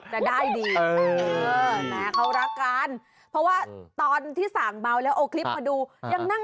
ลุกไปเรียนเล่าที่ผืน